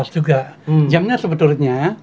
enam belas juga jamnya sebetulnya